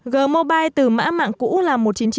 gmobile từ mã mạng cũ là một trăm chín mươi chín